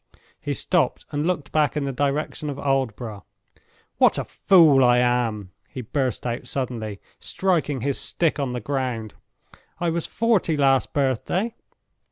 He stopped, and looked back in the direction of Aldborough. "What a fool I am!" he burst out suddenly, striking his stick on the ground. "I was forty last birthday."